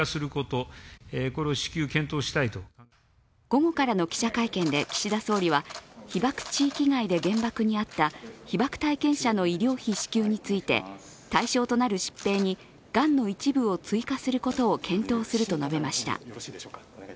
午後からの記者会見で岸田総理は、被爆地域外で原爆に遭った被爆体験者の医療費支給について対象となる疾病にがんの一部を追加することを検討すると述べました。